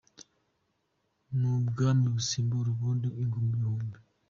Ni ubwami busimbura ubundi ingoma ibihumbi.